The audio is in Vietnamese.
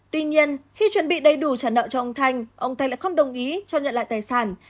tuy nhiên khi chuẩn bị đầy đủ trả nợ cho ông thanh ông thanh lại không đồng ý cho nhận lại tài sản